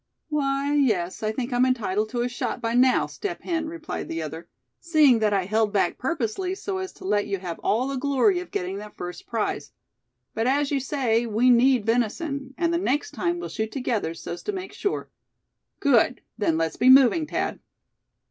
"Why, yes, I think I'm entitled to a shot by now, Step Hen," replied the other; "seeing that I held back purposely, so as to let you have all the glory of getting that first prize. But as you say, we need venison; and the next time we'll shoot together so's to make sure." "Good! Then let's be moving, Thad."